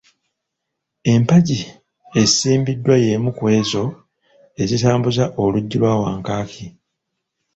Empagi esimbiddwa yemu ku ezo ezitambuza oluggi lwa Wankaaki.